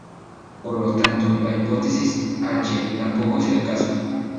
Por lo tanto, la hipótesis H tampoco es el caso.